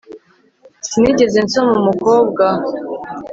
Sinigeze nsoma umukobwa